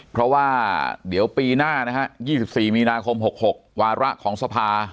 เพราะว่าเดี๋ยวปีหน้านะฮะ๒๔มีนาคม๖๖วาระของสภา